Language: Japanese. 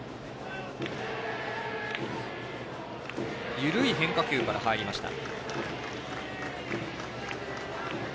緩い変化球から入りました。